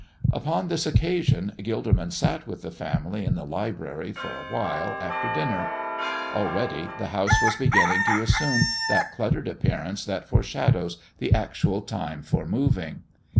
Upon this occasion Gilderman sat with the family in the library for a while after dinner. Already the house was beginning to assume that cluttered appearance that foreshadows the actual time for moving.